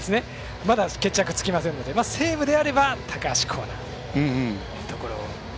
まだ決着つきませんので西武であれば高橋光成というところを。